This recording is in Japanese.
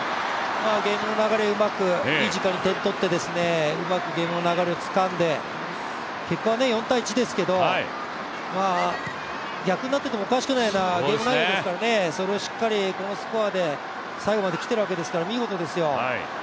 ゲームの流れいい時間に点を取ってうまく流れをつかんで結果は４−１ですけれども、逆になっててもおかしくないようなゲーム内容ですからねそれをしっかりこのスコアで最後まできているわけですから、見事ですよ。